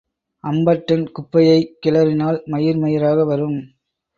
அம்பட்டன் குப்பையைக் கிளறினால் மயிர் மயிராக வரும்.